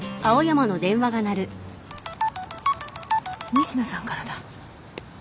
仁科さんからだ。